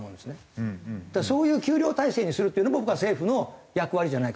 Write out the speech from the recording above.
そういう給料体制にするって僕は政府の役割じゃないかなと。